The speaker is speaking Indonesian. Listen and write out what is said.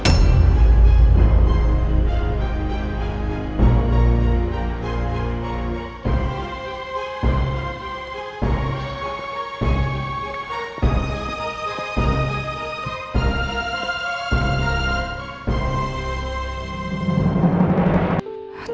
ini castle yang keras